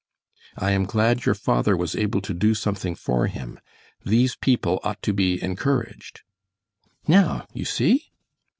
I am glad your father was able to do something for him. These people ought to be encouraged.' Now you see!"